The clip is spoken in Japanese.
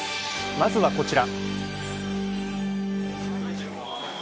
まずはこちら。